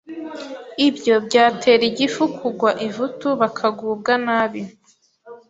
ibyo byatera igifu kugwa ivutu bakagubwa nabi.